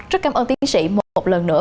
rất cảm ơn tiến sĩ một lần nữa